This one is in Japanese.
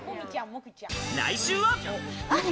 来週は。